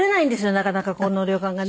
なかなかこの旅館がね。